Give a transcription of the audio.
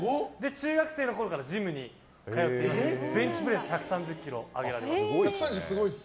中学生のころからジムに通っていてベンチプレス１３０ｋｇ上げられます。